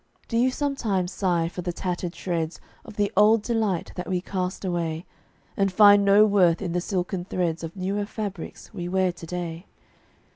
Do you sometimes sigh for the tattered shreds Of the old delight that we cast away, And find no worth in the silken threads Of newer fabrics we wear to day?